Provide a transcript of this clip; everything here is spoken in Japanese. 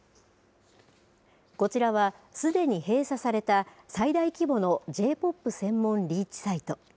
こちらはすでに閉鎖された最大規模のＪ−ＰＯＰ専門リーチサイト。